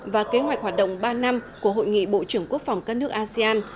và kế hoạch hoạt động ba năm của hội nghị bộ trưởng quốc phòng các nước asean